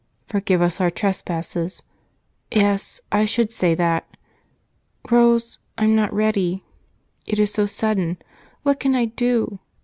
"'Forgive us our trespasses!' Yes, I should say that. Rose, I'm not ready, it is so sudden. What can I do?"